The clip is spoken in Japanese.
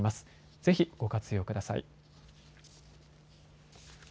ぜひご活用ください。